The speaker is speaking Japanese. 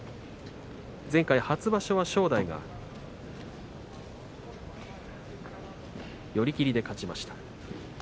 前回、初場所は正代が寄り切りで勝ちました。